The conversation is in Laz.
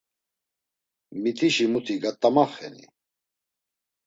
Mitişi muti gat̆amaxeni?